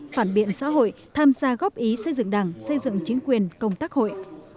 phản biện xã hội tham gia góp ý xây dựng đảng xây dựng chính quyền công tác hội